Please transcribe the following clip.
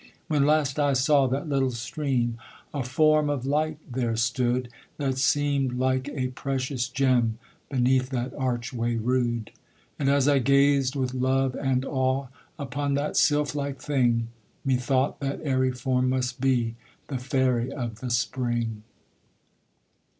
When last I saw that little stream, A form of light there stood, That seemed like a precious gem, Beneath that archway rude: And as I gazed with love and awe Upon that sylph like thing, Methought that airy form must be The fairy of the spring.